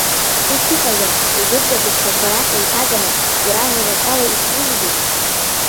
Ус иҟазар, егьырҭ абызшәақәа рахь еиҭаганы, тираж рацәала изҭрыжьзеи?